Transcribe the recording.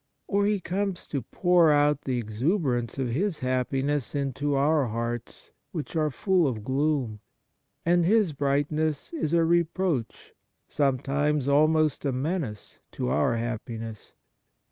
Or he comes to pour out the exuberance of his happiness into our hearts which are full of gloom, and his brightness is a reproach, sometimes almost a menace, to our happiness.